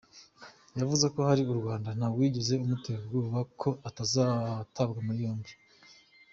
Yavuze ko ari mu Rwanda, nta wigeze amutera ubwoba ko azatabwa muri yombi.